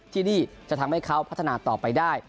ที่นี่จะทำให้เขาพัฒนาต่อไปได้